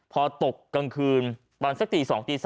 พอตกกลางคืนตอนสักตี๒ตี๓